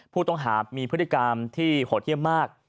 ผู้ต้องหามีพฤติกรรมที่โหดเยี่ยมมาก